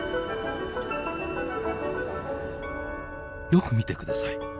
よく見て下さい！